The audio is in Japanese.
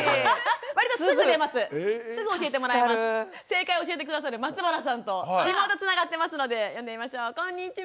正解を教えて下さる松原さんとリモートつながってますので呼んでみましょうこんにちは！